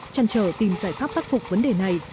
chăn trở tìm giải pháp khắc phục vấn đề này